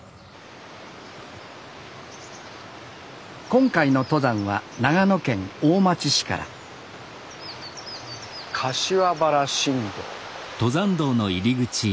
今回の登山は長野県大町市から柏原新道。